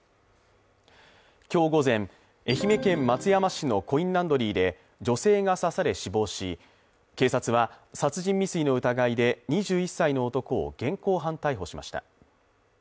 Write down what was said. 今日午前、愛媛県松山市のコインランドリーで女性が刺され死亡し、警察は殺人未遂の疑いで２１歳の男を現行犯逮捕しました。